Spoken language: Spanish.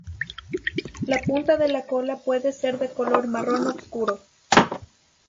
La punta de la cola puede ser de color marrón obscuro.